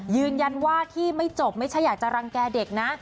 ยืนยันว่าที่ไม่จบไม่ใช่อยากจะรังแก่เด็กนะ